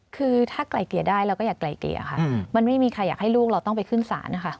คือถ้าไกลเกลี่ยได้เราก็อยากไกลเกลี่ยค่ะมันไม่มีใครอยากให้ลูกเราต้องไปขึ้นศาลนะคะ